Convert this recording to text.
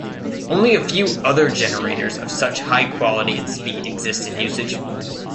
Only a few other generators of such high quality and speed exist in usage.